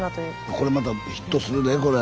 これまたヒットするでこれ。